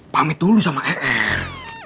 pamit dulu sama er